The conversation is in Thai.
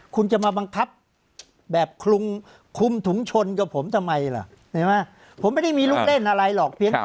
คุณจะมาบังคับแบบคลุมคุมถุงชนกับผมทำไมล่ะเห็นไหมผมไม่ได้มีลูกเล่นอะไรหรอกเพียงพอ